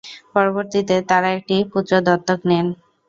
পরবর্তীতে তারা একটি পুত্র দত্তক নেন।